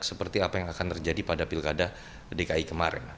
seperti apa yang akan terjadi pada pilkada dki kemarin